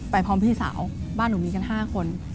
พร้อมพี่สาวบ้านหนูมีกัน๕คน